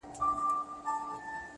په سپورږمۍ كي ستا تصوير دى _